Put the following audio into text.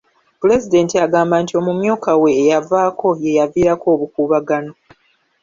Pulezidenti agamba nti omumyuka we eyavaako ye yaviirako obukuubagano.